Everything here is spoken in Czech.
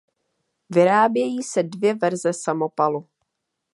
Vyrábějí se dvě verze samopalu.